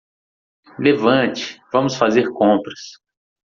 Levante?, vamos fazer compras.